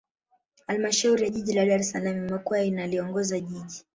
Halmashauri ya Jiji la Dar es Salaam imekuwa inaliongoza Jiji